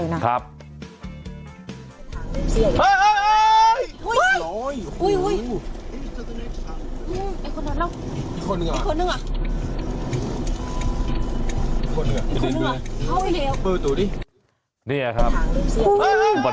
โอ้โฮ